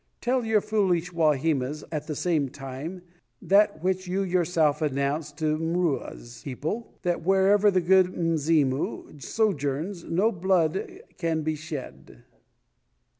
Tell your foolish Wahimas, at the same time, that which you yourself announced to M'Rua's people, that wherever the 'Good Mzimu' sojourns no human blood can be shed."